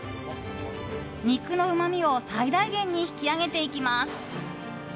肉のうまみを最大限に引き上げていきます。